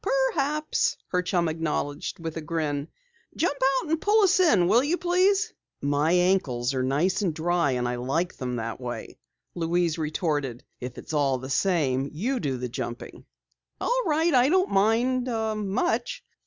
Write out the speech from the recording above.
"Perhaps," her chum acknowledged with a grin. "Jump out and pull us in, will you please?" "My ankles are nice and dry and I like them that way," Louise retorted. "If it's all the same, you do the jumping." "All right, I don't mind much."